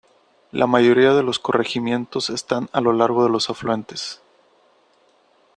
La mayoría de los corregimientos están a lo largo de los afluentes.